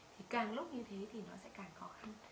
thì càng lúc như thế thì nó sẽ càng khó khăn